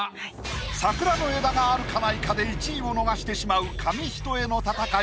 桜の枝があるか無いかで１位を逃してしまう紙一重の戦い